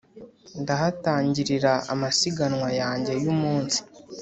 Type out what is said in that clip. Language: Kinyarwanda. Ndahatangilira amasiganwa yanjye yumunsi